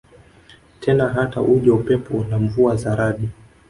tena Hata uje upepo na mvua za radi